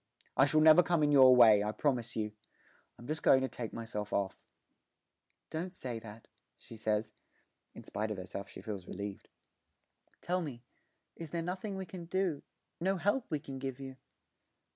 I shall never come in your way, I promise you. I'm just going to take myself off.' 'Don't say that,' she says (in spite of herself she feels relieved); 'tell me is there nothing we can do no help we can give you?'